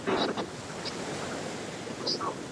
د حیواناتو حقوق مراعات کړئ.